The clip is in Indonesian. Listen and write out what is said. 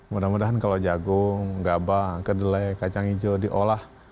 mudah mudahan kalau jagung gaba kedele kacang hijau diolah